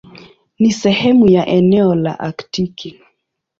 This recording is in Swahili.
Ni sehemu ya eneo la Aktiki.